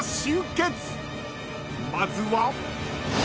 ［まずは］